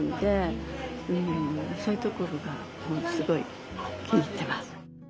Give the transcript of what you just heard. うんそういうところがすごい気に入ってます。